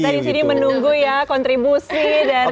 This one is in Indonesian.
kita di sini menunggu ya kontribusi dari